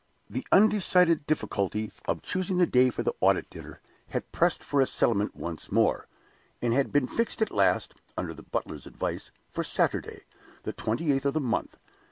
The undecided difficulty of choosing the day for the audit dinner had pressed for a settlement once more, and had been fixed at last (under the butler's advice) for Saturday, the twenty eighth of the month.